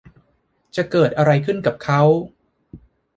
จะเกิดอะไรขึ้นกับเค้า